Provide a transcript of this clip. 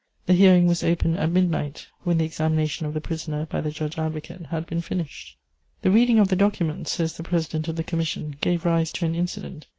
The hearing was opened at midnight, when the examination of the prisoner by the judge advocate had been finished. "The reading of the documents," says the president of the commission, "gave rise to an incident.